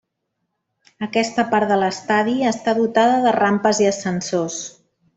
Aquesta part de l'estadi està dotada de rampes i ascensors.